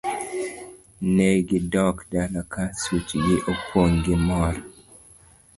Ne gidok dala ka suchgi opong' gi mor.